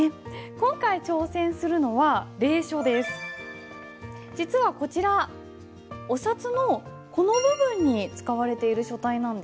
今回挑戦するのは実はこちらお札のこの部分に使われている書体なんです。